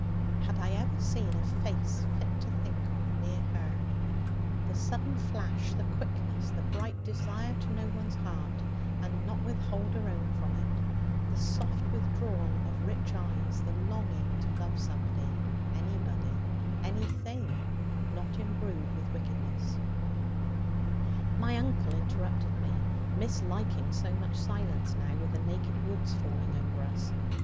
Had I ever seen a face fit to think of near her? The sudden flash, the quickness, the bright desire to know one's heart, and not withhold her own from it, the soft withdrawal of rich eyes, the longing to love somebody, anybody, anything, not imbrued with wickedness My uncle interrupted me, misliking so much silence now, with the naked woods falling over us.